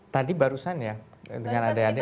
tadi barusan ya dengan adik adik